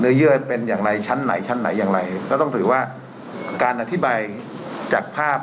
เยื่อเป็นอย่างไรชั้นไหนชั้นไหนอย่างไรก็ต้องถือว่าการอธิบายจากภาพ